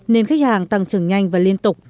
nên khách hàng tăng trưởng nhanh và liên tục